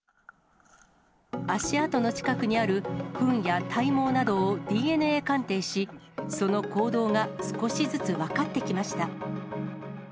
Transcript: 足跡の近くにあるふんや体毛などをＤＮＡ鑑定し、その行動が少しずつ分かってきました。